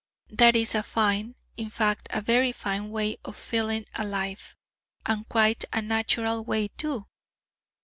That is a fine, in fact a very fine way of filling a life, and quite a natural way too!...